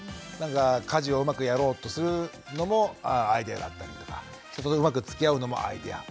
家事をうまくやろうとするのもアイデアだったりとか人とうまくつきあうのもアイデア。